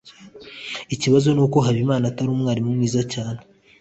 ikibazo nuko habimana atari umwarimu mwiza cyane